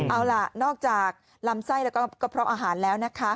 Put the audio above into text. เอาล่ะนอกจากลำไส้แล้วก็เพราะอาหารแล้วนะคะ